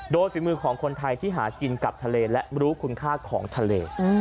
โดยฝีมือของคนไทยที่หากินกับทะเลและรู้คุณค่าของทะเล